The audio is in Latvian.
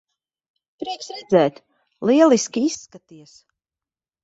Prieks redzēt. Lieliski izskaties.